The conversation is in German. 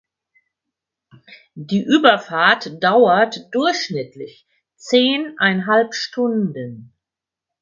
Die Überfahrt dauert durchschnittlich zehneinhalb Stunden.